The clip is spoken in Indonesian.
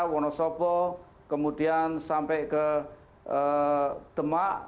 kemudian ke wonosopo kemudian sampai ke demak